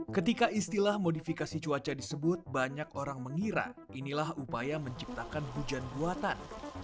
ketika istilah modifikasi cuaca disebut banyak orang mengira inilah upaya menciptakan hujan buatan